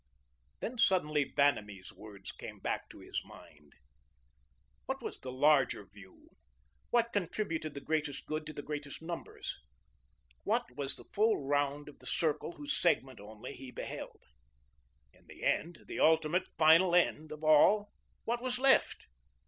Then suddenly Vanamee's words came back to his mind. What was the larger view, what contributed the greatest good to the greatest numbers? What was the full round of the circle whose segment only he beheld? In the end, the ultimate, final end of all, what was left?